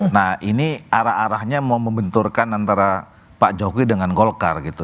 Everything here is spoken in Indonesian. nah ini arah arahnya mau membenturkan antara pak jokowi dengan golkar gitu